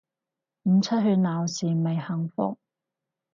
唔出去鬧事咪幸福